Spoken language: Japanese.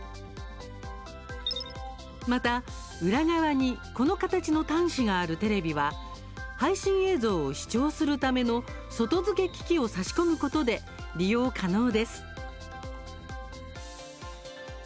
また、裏側にこの形の端子があるテレビは配信映像を視聴するための外付け機器を差し込むことで利用可能です。